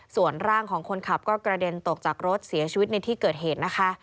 ส่วนร่างของคนขับก็กระเด็นตกจากรถเสียชีวิตในที่เกิดเหตุนะคะ